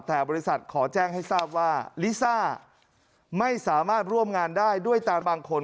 แต่บริษัทขอแจ้งให้ทราบว่าลิซ่าไม่สามารถร่วมงานได้ด้วยตาบางคน